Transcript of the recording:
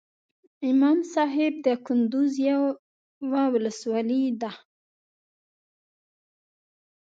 امام صاحب دکندوز یوه ولسوالۍ ده